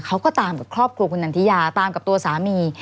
เขาก็ตามกับครอบครัวคุณนันทิยาตามกับตัวสามี